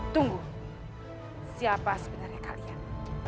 tunggu siapa sebenarnya kalian